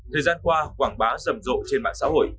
thời gian qua quảng bá rầm rộ trên mạng xã hội